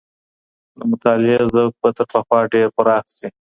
د مطالعې ذوق به تر پخوا ډېر پراخ سي.